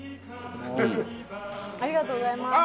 ありがとうございます。